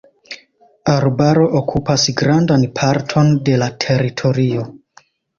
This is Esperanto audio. Arbaro okupas grandan parton de la teritorio.